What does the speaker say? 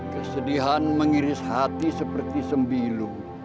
kesedihan mengiris hati seperti sembilu